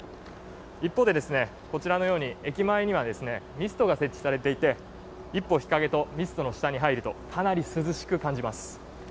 一方で、こちらのように駅前にはミストが設置されていて一歩日陰とミストの下に入ると、かなり涼しく感じます。